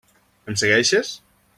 Em segueixes?